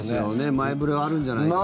前触れはあるんじゃないかなって。